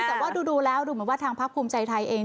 แต่ว่าดูแล้วดูเหมือนว่าทางพักภูมิใจไทยเอง